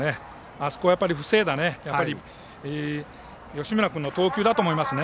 あそこを防いだ吉村君の投球だと思いますね。